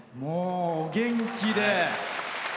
お元気で。